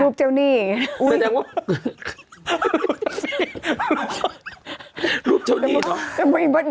รูปเจ้านี่รูปเจ้านี่ต่อ